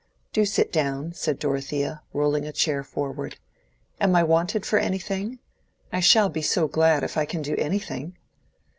"Do sit down," said Dorothea, rolling a chair forward. "Am I wanted for anything? I shall be so glad if I can do anything."